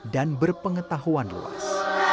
dan berpengetahuan luas